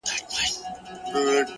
زغم د بریا اوږده لاره لنډوي!